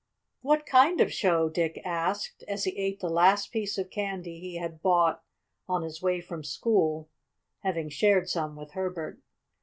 "What kind of show?" Dick asked, as he ate the last piece of candy he had bought on his way from school, having shared some with Herbert.